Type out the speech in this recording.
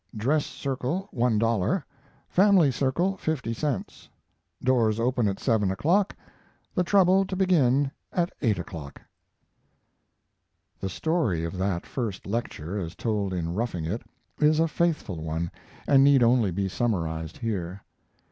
Dress Circle, $1.00 Family Circle, 50c Doors open at 7 o'clock The Trouble to begin at 8 o'clock The story of that first lecture, as told in Roughing It, is a faithful one, and need only be summarized here.